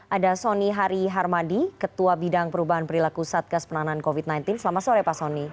ada soni hari harmadi ketua bidang perubahan perilaku satgas penanganan covid sembilan belas selamat sore pak soni